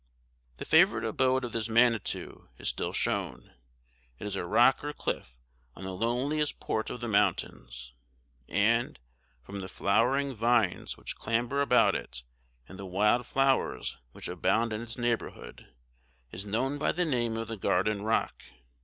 The favorite abode of this Manitou is still shown. It is a rock or cliff on the loneliest port of the mountains, and, from the flowering vines which clamber about it, and the wild flowers which abound in its neighborhood, is known by the name of the Garden Rock.